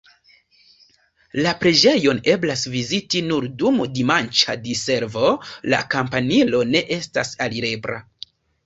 La preĝejon eblas viziti nur dum dimanĉa diservo, la kampanilo ne estas alirebla.